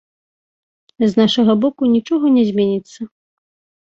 З нашага боку нічога не зменіцца.